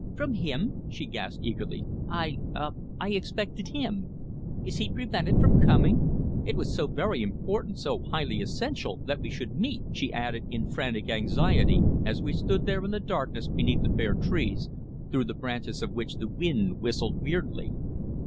"From him?" she gasped eagerly. "I ah! I expected him. Is he prevented from coming? It was so very important, so highly essential, that we should meet," she added in frantic anxiety as we stood there in the darkness beneath the bare trees, through the branches of which the wind whistled weirdly.